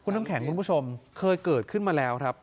น้ำแข็งคุณผู้ชมเคยเกิดขึ้นมาแล้วครับ